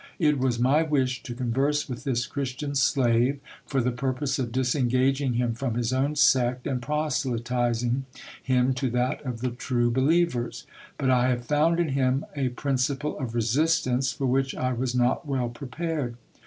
It was my wish to converse with this Christian slave, for the purpose of disengaging him from his own sect, and proselyting him to that of the true be lievers. But I have found in him a principle of resistance for which I was not well prepared.